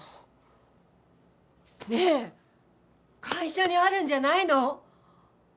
会社にあるんじゃないの？